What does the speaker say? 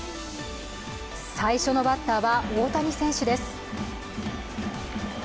最初のバッターは大谷選手です。